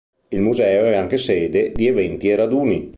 Il museo è anche sede di eventi e raduni.